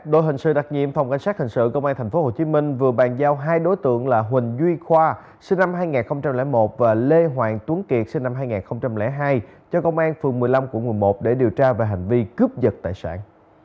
đội hình sự đặc nhiệm phòng cảnh sát hình sự công an tp hcm vừa bàn giao hai đối tượng là huỳnh duy khoa sinh năm hai nghìn một và lê hoàng tuấn kiệt sinh năm hai nghìn hai cho công an phường một mươi năm quận một mươi một để điều tra về hành vi cướp dật tài sản